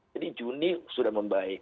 jadi juni sudah membaik